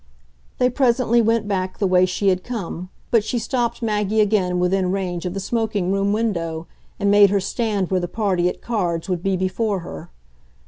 They presently went back the way she had come, but she stopped Maggie again within range of the smoking room window and made her stand where the party at cards would be before her.